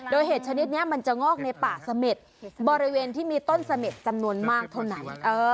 โดยเห็ดชนิดนี้มันจะงอกในป่าเสม็ดบริเวณที่มีต้นเสม็ดจำนวนมากเท่านั้น